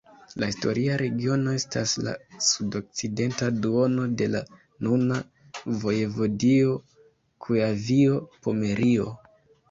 La historia regiono estas la sudokcidenta duono de la nuna vojevodio Kujavio-Pomerio.